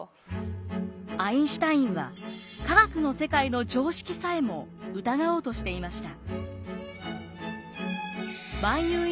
アインシュタインは科学の世界の常識さえも疑おうとしていました。